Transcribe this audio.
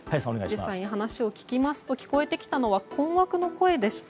話を聞きますと聞こえてきたのは困惑の声でした。